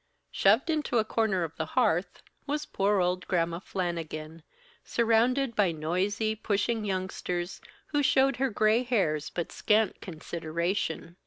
Shoved into a corner of the hearth, was poor old Gramma Flannigan, surrounded by noisy, pushing youngsters, who showed her gray hairs but scant consideration.